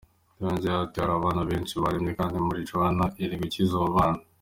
Yongeyeho ati "Hari abana benshi barembye, kandi Marijuana iri gukiza abo bana.